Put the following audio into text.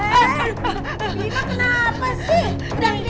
eh bina kenapa sih